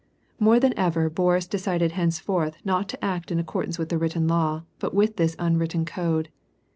More than ever Boris decided henceforth not to act in accord ance with the written law, but with this unwritten code.